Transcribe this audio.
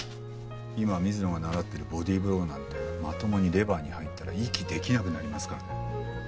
今水野が習ってるボディーブローなんてまともにレバーに入ったら息できなくなりますからね。